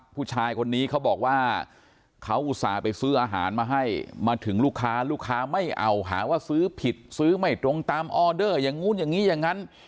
ผู้ชายคนนี้เขาบอกว่าเขาอุตส่าห์ไปซื้ออาหารมาให้มาถึงลูกค้าลูกค้าไม่เอาหาว่าซื้อผิดซื้อไม่ตรงตามออเดอร์อย่างนู้นอย่างนี้อย่างนั้น